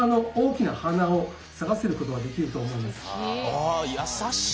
ああ優しい。